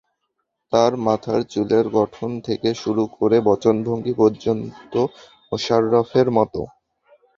তাঁর মাথার চুলের গঠন থেকে শুরু করে বাচনভঙ্গি পর্যন্ত মোশাররফের মতো।